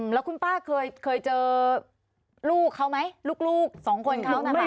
แล้วคุณป้าเคยเจอลูกเขาไหมลูกสองคนเขานั่นแหละ